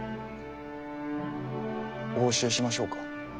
お教えしましょうか？